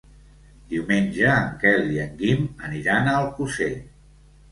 Diumenge en Quel i en Guim aniran a Alcosser.